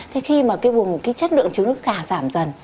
thế khi mà cái chất lượng trứng nó cả giảm dần